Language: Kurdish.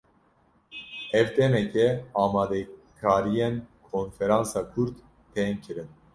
Ev demeke, amadekariyên konferansa Kurd tên kirin